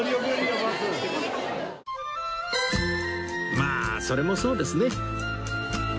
まあそれもそうですね